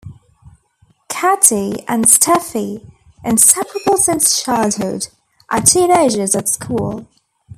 Kati and Steffi, inseparable since childhood, are teenagers at school.